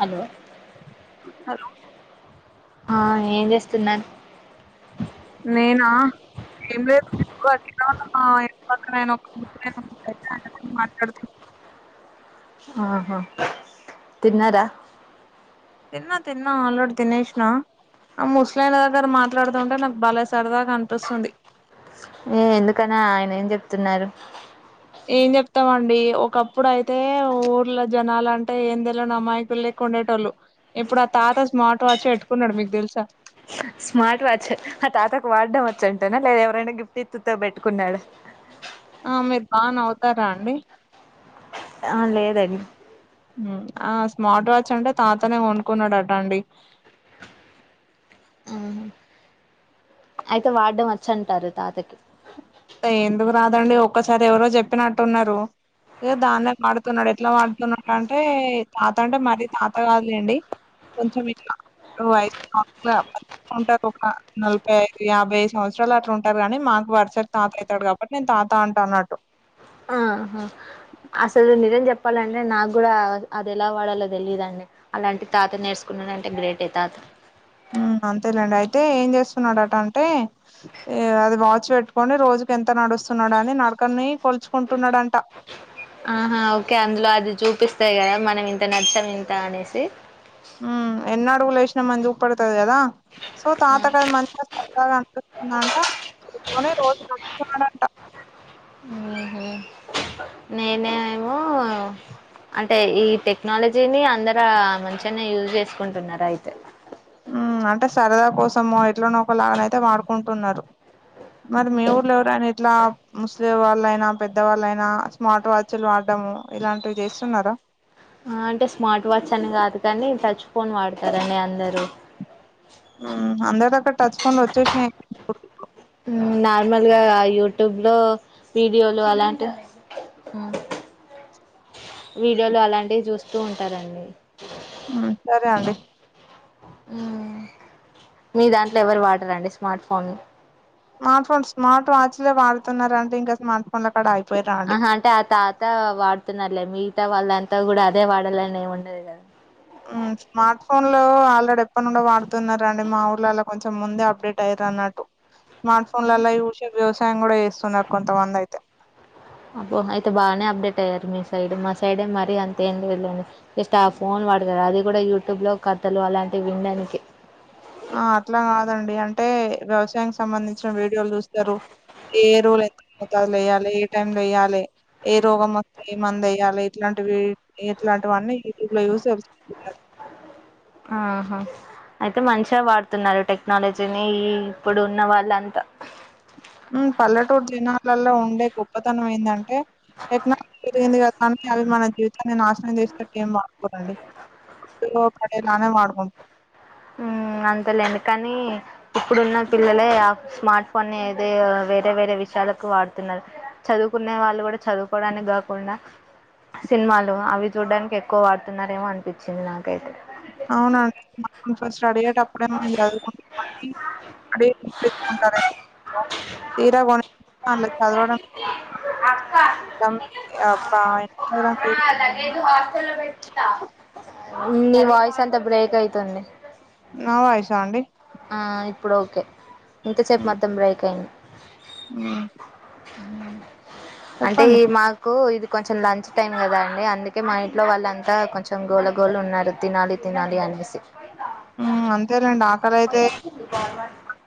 Hello hello ఆ ఏం చేస్తున్నారు నేనా ఏం లేదు [unintelligible] మా ఇంటి పక్కన [unintelligible] ఆయన తోటి మాట్లాడుతున్న ఆహా తిన్నారా తిన్నా తిన్నా అల్రేడి తినేష్నా ఆ ముస్లియన్ తోటి మాట్లాడుతుంటే నాకు బలే సరదాగా అనిపిస్తుంది ఏ ఎందుకని ఆయన ఏం చెప్తున్నారు ఏం చెప్తామండి ఒకప్పుడు అయితే ఊర్లో జనాాలంటే ఏం తెలియని అమాయకులే కుండే టోల్లు ఇప్పుడు ఆ తాత స్మార్ట్ వాచ్ పెట్టుకున్నాడు మీకు తెలుసా స్మార్ట్ వాచ్ ఆ తాతకు వాడడం వచ్చు అంటనా లేదా ఎవరైనా గిఫ్ట్ ఎత్తుతో పెట్టుకున్నాడు ఆ మీరు బాగా నావుతారా అండి ఆ లేదండి మ్ ఆ స్మార్ట్ వాచ్ అంటే తాతనే కొనుకున్నాడట అండి అయితే వాడం వచ్చంటారు తాతకి తాయ్ ఎందుకు రాదండి ఒక్కసారి ఎవరో చెప్పినట్టున్నారు ఇగ దాన్నే వాడుతున్నాడు ఎట్లా వాడుతున్నాడుంటే తాత అంటే మరీ తాత కాదులేండి కొంచం ఇట్ల ఒ [unintelligible] ఉంటారు ఒక నలభై ఐదు యాభైదు సంవత్సరాలు అట్లా ఉంటారు కానీ మాకు వర్సక్ తాత అయితాడు కాబట్టి నేను తాత అంట అన్నట్టు ఆహా అసలు నిజం చెప్పాలంటే నాకు కూడా అది ఎలా వాడాలో తెలియదండి అలాంటి తాత నేర్చుకున్నాడంటే గ్రేటే తాత మ్ అంతేలేండి అయితే ఏం చేస్తున్నాడట అంటే ఇగ ఏ అది వాచ్ పెట్టుకొని రోజుకి ఎంత నడుస్తున్నాడు అని నడకని కొలుచుకుంటున్నాడంట ఆహా ఓకే అందులో అది చూపిస్తది కదా మనం ఇంత నదిచ్చాం ఇంత అనేసి మ్ ఎన్నాడుగులేష్నమ్ అని చుపేడుతది కదా సో తాతకు అది మంచిగా సరదగా అనిపిస్తుందంట చె తోనే రోజు నడుస్తున్నాడంట మ్ హు నేనే ఏమో అంటే ఈ టెక్నాలజీని అందరు మంచిగానే యూజ్ చేసుకుంటున్నారు అయితే మ్ అంటే సరదా కోసమో ఎట్లానో ఒకలాగనైతే వాడుకుంటున్నారు మరి మి ఊర్లో ఎవరైన ఇట్లా ముసలి వాళ్ళయినా పెద్దవాళ్ళయినా స్మార్ట్ వాచ్లు వాడ్డము ఇలాంటివి చేస్తున్నారా అ అంటే స్మార్ట్ వాచ్ అని కాదు కానీ టచ్ ఫోన్ వాడతారండి అందరు మ్ అందరి దగ్గర టచ్ ఫోన్లు వచ్చేసినయి ఉ నార్మల్ గా యూట్యూబ్ లో వీడియోలు అలాంటి ఉ వీడియోలు అలాంటివి చూస్తూ ఉంటారండి ఉ సరే అండి ఉ మీ దాంట్లో ఎవరు వాడరా అండి స్మార్ట్ ఫోన్లు స్మార్ట్ ఫోన్స్ స్మార్ట్ వాచ్లే వాడుతున్నారంటే ఇంకా స్మార్ట్ కొన్న కాడ ఆగి పోయిరా ఆహా అంటే ఆ తాత వాడుతున్నారులే మితా వాళ్ళంతా గుడా అదే వాడాలని ఏమి ఉండదు కదా ఉ స్మార్ట్ ఫోన్ లో ఆల్రెడీ ఎప్పటినుండో వాడుతున్నారండి మా ఊర్లలో కొంచెం ముందే అప్డేట్ ఐరు అన్నట్టు [inaudible] స్మార్ట్ ఫోన్లలో చూసే వ్యవసాయం గుడా చేస్తున్నారు కొంతమంది అయితే అబ్బో అయితే బానే అప్డేట్ అయ్యారు మీ సైడ్ మా సైడే మరీ అంత ఏం తెలియదు జస్ట్ ఆ ఫోన్ వాడదా అది కూడా యూట్యూబ్ లో కథలు అలాంటివి వినడానికి ఆ అట్లా కాదండి అంటే వ్యవసాయాని సంబంధించిన వీడియోలు చూస్తారు ఏ రోలు ఎంత మోతాదు లో ఎయాలి ఏ టైం లో ఎయ్యాలి ఏ రోగం వత్తే ఏ మంద ఎయ్యాలి ఇట్లాంటివి ఇట్లాంటివన్నీ యూట్యూబ్ లో చూసీ తెలుసుకుంటున్నారు ఆహ అయితే మంచిగా వాడుతున్నారు టెక్నాలజీని ఈ ఇప్పుడు ఉన్న వాళ్ళంతా ఉ పల్లెటూరు జనాలలో ఉండే గొప్పతనం ఏందంటే టెక్నాలజీ పెరిగింది కదానికి అవి మన జీవితన్ని నాశనం చేసినట్టు ఏం వాడుకో రండి లో పడేలానే వడుకుంట ఉ అంతేలేండి కానీ ఇప్పుడున్న పిల్లలే ఆ స్మార్ట్ ఫోన్ ని ఏదే వేరే వేరే విషయాలకు వాడుతున్నారు చదువుకునే వాళ్ళు కూడా చదువుకోవడానికి కాకుండా సినిమాలు అవి చూడ్డానికి ఎక్కువ వాడుతున్నారేమో అనిపించింది నాకైతే అవునా అవి ఉ ఫస్ట్ అడిగేటప్పుడు ఏమో మేం చదువు అని అడిగి కొనిపించుకుంటారేమో ఫోన్ తీరా కొనిస్తే అందులో చదవడం అక్క దమ్ అబ్బా ఇన్స్టాగ్రామ్ రీల్స్ అమ్మ నీ వాయిస్ అంతా బ్రేక్ అయితుంది నా వాయిస అండి ఆ ఇప్పుడు ఓకే ఇంతసేపు మొత్తం బ్రేక్ అయింది ఉ ఉ అంటే ఈ మాక్ కు ఇది కొంచెం లంచ్ టైం కదా అండి అందుకే మా ఇంట్లో వాళ్ళ అంతా కొంచెం గోల గోల ఉన్నారు తినాలి తినాలి అనేసి ఉ అంతేలెండి ఆకలీ అయితే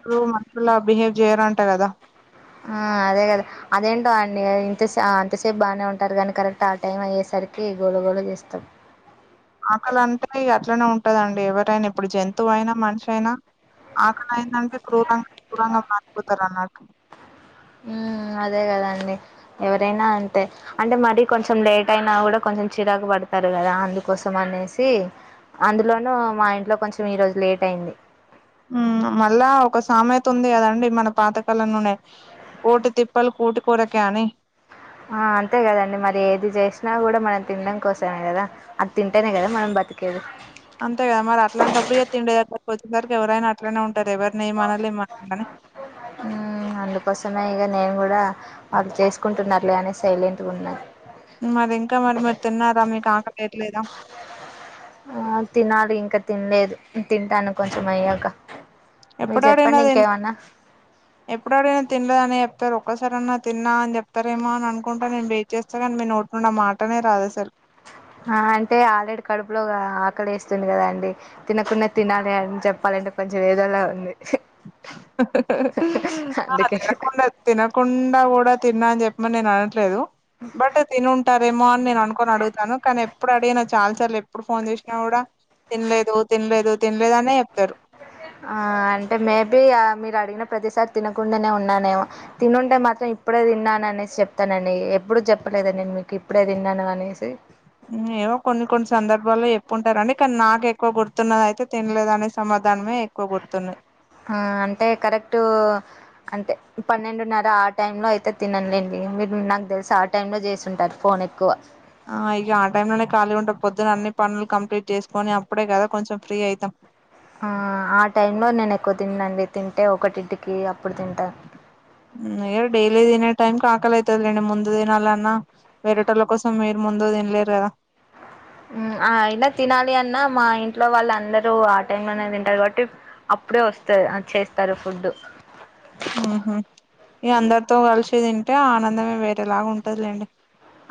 షులు మనుషులా బిహేవ్ చేయరుంట కదా ఆ అదే కదా అదేంటో అండి ఇంతసే ఆ అంతసేపు బానే ఉంటారు కాని కరెక్ట్ ఆ టైం అయ్యేసరికి గోళ గోళ చేస్తాం ఆకలీ అంటేనే ఇగ అట్లనే ఉంటదండి ఎవరైనా ఇప్పుడు జంతువు అయినా మనిషి అయినా ఆకలైందంటే క్రూరంగా క్రూరంగా మారిపోతారు అన్నటు ఉ అదే కదండి ఎవరైనా అంతే అంటే మరి కొంచెం లేట్ అయినా కూడా కొంచెం చిరాకు పడతారు కదా అందుకోసం అనేసి అందులోనూ మా ఇంట్లో కొంచెం ఈ రోజు లేట్ అయింది ఉ మళ్ళా ఒక సామెత ఉంది కదండి మన పాతకాలం లోనే కోట్ తిప్పల్ కూటి కోరకే అనీ ఆ అంతే కదండి మరి ఏది చేసినా కూడా మనం తినడం కోసమే కదా అది తింటనే కదా మనం బ్రతికేది అంతే కదా మరి అట్లాంటప్పుడు ఏ తిండి దగ్గర వచ్చేసరికి ఎవరైనా అలనే ఉంటారు. ఎవరిని ఏమనాలి ఏమనము హ్ అందుకోసమే ఇగా నేను కూడా వాళ్ళు చేసుకుంటున్నారులే అని సైలెంట్గా ఉన్నా మరి ఇంకా మరి మీరు తిన్నారా మీకు ఆకలి ఏయాట్లేదా ఆ! తినాలి ఇంకా తినలేదు తింటాను కొంచెం అయ్యాక మీరు ఎప్పుడ అడిగినా జెప్పండి అదే ఇంకేమన్నా? ఎప్పుడుడైనా తినలేదని చెప్తారు. ఒక్కసారీ అన్నా తిన్నా అని చెపుతారేమో అని అనుకుంటే నేను ఎక్స్పెక్ట్ చేస్తా కానీ మీ నోటి నుండి ఆ మాటనే రాదు అసలు ఆ అంటే ఆల్రెడీ కడుపులో ఆకలి వేస్తుంది కదా అండి తినకుండా తినాలీ అని చెప్పాలంటే కొంచెం ఏధోలా ఉంది. ఆ అందుకే. తినకుండా తినకుండా కూడా తిన్నా అని చెప్పమని నేను అనట్లేదు బట్ తినుంటరూ రేమో అని నేను అనుకోని అడుగుతాను కానీ ఎప్పుడు అడిగిన చాలా సార్లు ఎప్పుడు ఫోన్ చేసినా కూడా తినలేదు తినలేదు తినలేదు అనే చెప్తారు ఆ అంటే మేబి ఆ మీరు అడిగిన ప్రతిసారి తినకుండానే ఉన్నానేమో తినుంటే మాత్రం ఇప్పుడే తిన్నాను అనేసి చెప్తానండి. ఎప్పుడు చెప్పలేద నేను మీకు ఇప్పుడే తిన్నాను అనేసి ఏమో కొన్ని కొన్ని సందర్భాల్లో చెప్పి ఉంటారండి. కానీ నాక ఎక్కువ గుర్తున్నద అయితే తినలేదునే సమాధానమే ఏ క్కువ గుర్తు ఆ అంటే కరెక్ట్ అంటే పన్నెండున్నర ఆ టైమ్ లో అయితే తిననులేండి మీరు నాకు తెలిసి ఆ ఆ టైమ్ లో చేసి ఉంటారు. ఫోన్ ఎక్కువ ఆ ఇక ఆ టైమ్ లోనే ఖాళీ ఉంటారూ పొద్దున అన్ని పనులు కంప్లీట్ చేసుకొని అప్పుడే కదా కొంచెం ఫ్రీ అయితాం ఆ టైంలో నేను ఎక్కువ తిన్నానండి తింటే ఒకటింటికి అప్పుడు తింటాను ఏ డైలీ తీనే టైమ్ కి ఆకలి అయితదీ కానీ ముందు తినాలన్న వేరేతోళ్ల కోసం మీరు ముందు తినలేరు కదా అయినా తినాలి అన్న మా ఇంట్లో వాళ్ళ అందరూ ఆ టైమ్ లోనే తింటారు కాబట్టి అప్పుడే వస్త ఆ చేస్తారు ఫుడ్ ఉహు ఇగ అందరితో కలిసి తింటే ఆనందమే వేరేలాగా ఉంటదిలేండి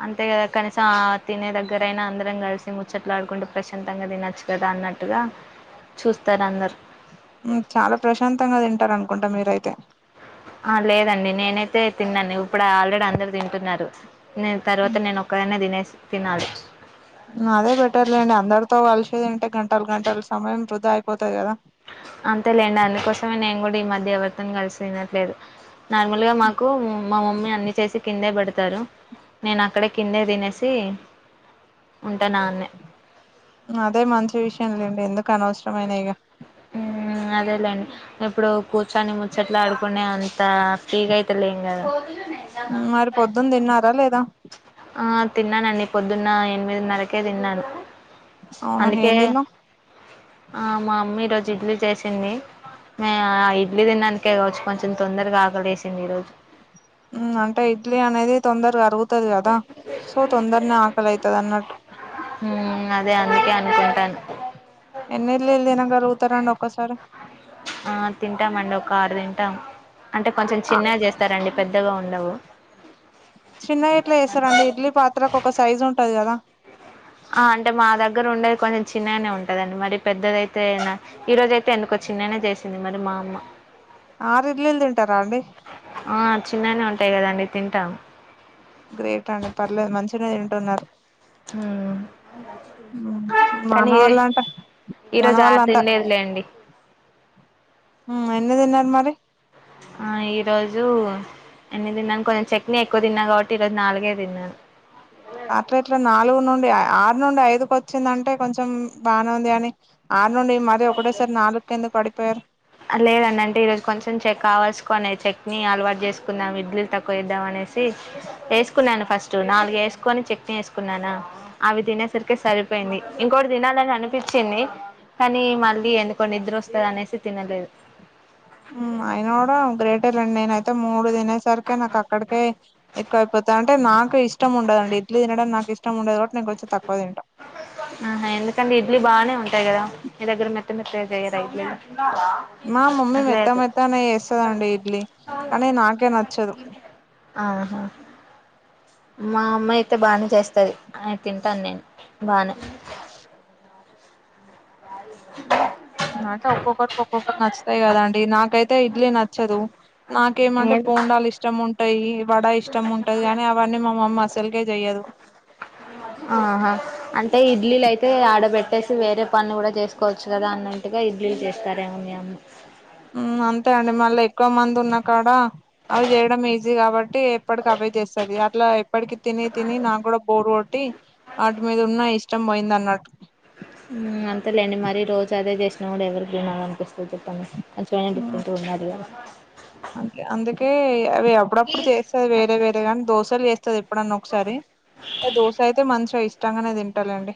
అంతే కదా కనీసం ఆ తినే దగ్గరయినా అందరం కలిసి ముచ్చట్లు ఆడుకుంటే ప్రశాంతంగా తినొచ్చు కదా అన్నట్ టుగా చూస్తారు అందరు ఉ చాలా ప్రశాంతంగా తింటారు అనుకుంటా మీరైతే ఆ లేదండి నేనైతే తిన్నాను ఇప్పుడు ఆల్రెడీ అందరు తింటున్నారు నేను తర్వాత ఉమ్, నేను ఒక్కదన్నె తినేసి తినాలి అదే బేట్టర్లేండి అందరితో కలిసి తింటే గంటలు గంటల సమయం వృధా అయిపోతది కదా అంతేలేండి అందుకోసమే నేను కూడా ఈ మధ్య ఎవర్తోని కలిసి తినట్లేదు నార్మల్గా మాకు మా మమ్మీ అన్ని చేసి కిందే పెడతారు నేను అక్కడే కిందే తినేసి ఉంటనాన్నే అదే మంచి విషయం లేండి ఎందుకు అనవసరమైన ఇగ హ్ అదేలెండి ఇప్పుడు కూర్చొని ముచ్చట్లాడుకునే అంత ఫ్రీగా అయితే లేం కదా ఉ మరి పొద్దున్న తిన్నారా లేదా ఆ తిన్నానండి పొద్దున్న ఎనిమిదిన్నరకే తిన్నాను అవునా అందుకే ఏం దిన్నావ్ ఆ మామ్మీ ఈరోజు ఇడ్లీ చేసింది. ఎ ఆ ఇడ్లీ తిన్నందుకే కావచ్చు కొంచెం తొందరగా ఆకలేసింది ఈ రోజు, మ్ అంటే ఇడ్లీ అనేది తొందరగా అరుగుతది కదా, సో తొందర్నే ఆకలైతదన్నట్టు, హ్మ్మ్ అదే అందుకే అనుకుంటాను, ఎన్ని ఇడ్లీలు తినగలుగుతారండి ఒక్కసారి, ఆ తింటామండి ఒక ఆరు తింటాం, అంటే కొంచెం ఆ చిన్నగా చేస్తారండి పెద్దగా ఉండవు, చిన్నగెట్ల చేస్తారండి ఇడ్లీ పాత్రకు ఒక సైజ్ ఉంటది కదా, ఆ అంటే మా దగ్గర ఉండేది కొంచెం చిన్నగానే ఉంటదండి మరి పెద్దదైతే నా ఈ రోజైతే ఎందుకో చిన్ననే చేసింది మరి మా అమ్మ ఆరు ఇడ్లీలు తింటారా అండి, ఆ చిన్నగానే ఉంటాయి కదండి తింటాం గ్రేట్ అండి పర్లేదు మంచినే తింటున్నారు, ఉమ్ ఉమ్, మన కానీ ఇ వాళ్ళంట మన ఈరోజు ఆర్ వాళ్ళంతా తిన్లేదులేండి, ఎన్ని దిన్నారు మరి ఆ ఈ రోజు ఎన్ని తిన్నాను కొంచెం చట్నీ ఎక్కువ తిన్నా కాబట్టి ఈరోజు నాలుగే తిన్నాను. అట్లా ఎట్లా నాలుగు నుండి ఆరు నుండి ఐదుకు వచ్చిందంటే కొంచెం బానే ఉంది కాని, ఆరు నుండి మరి ఒకటేసారి నాలుగుకెందుకు పడిపోయారు, లేదండి అంటే ఈరోజు కొంచెం చె కావాల్కునే చెట్ని అలవాటు చేసుకుందాం ఇడ్లీల్ తక్కువ చేద్దాం అనేసి, ఎసుకున్నాను ఫస్ట్ నాలుగు వేసుకొని చట్నీ వేసుకున్నానా అవి తినేసరికి సరిపోయింది, ఇంకోటి తినాలని అనిపిచ్చింది. కానీ మళ్ళీ ఎందుకో నిద్రోస్తదనేసి తినలేదు. మ్మ్ అయిన కూడా గ్రేటేలేండి నేనైతే మూడు తిం అనేసరికి నాకు అక్కడికే ఎక్కువైపోతా టే నాకు ఇష్టం ఉండదండి ఇడ్లీ తినడం నాకు ఇష్టముండదు కాబట్టి కొంచెం తక్కువ తింటా ఆహా ఎందుకంటే ఇడ్లీ బాగానే ఉంటాయి కదా, మీ దగ్గర మెత్త మెత్తగా చేయరా ఇడ్లీ మా మమ్మీ మెత్త లేేదు మెత్తనే చేస్తదండి ఇడ్లీ కానీ నాకే నచ్చదు ఆహా మా అమ్మా అయితే బానే చేస్తది, అ తింటాను నేను బానే అంటే ఒక్కొక్కరికి ఒక్కొక్కటి నచ్చుతాయి కదండి నాకైతే ఇడ్లీ నచ్చదు, నాకేమంటే ఏం బోండాలు ఇష్టం ఉంటాయి, వడ ఇష్టం ఉంటది అని అవన్నీ మా మమ్మి అసల్కే చెయ్యదు, ఆహా అంటే ఇడ్లీలు అయితే ఆడబెట్టేసి వేరే పనులు కూడా చేసుకోవచ్చు కదా అన్న ట్టుగా ఇడ్లీలు చేస్తారేమో మీ అమ్మ మ్మ్ అంతే అండి మళ్ళీ ఎక్కువ మంది ఉన్నా కాడా అవి చేయడం ఈజీ కాబట్టి, ఎప్పటికవే చేస్తది అట్లా ప్పటికి తిని తిని నాకు కూడా బోరు కొట్టి, వాటి మీద ఉన్న ఇష్టం పోయిందన్నట్టు మ్మ్ అంతేలేండి మరీ రోజు అదే చేసినా కూడా ఎవరికి తినాలనిపిస్తది చెప్పండి కొంచెమైన డిఫరెంట్గుండాలిగా అంకే అందుకే అవి అప్పుడప్పుడు చేస్తది వేరే వేరే గాని దోశలు చేస్తది ఎప్పుడన్న ఒకసారి ఇగ దోశైతే మంచిగా ఇష్టంగానే తింటాలేండి,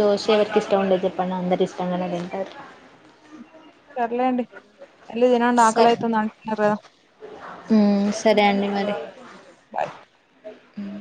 దోశ ఎవరికి ఇష్టం ఉండదు చెప్పండి అందరు ఇష్టంగానే తింటరు. సర్లేండి ఎల్లి తినండి ఆకలైతుందంటున్నరు కదా ఉమ్ సరే అండి మరి బాయ్ మ్మ్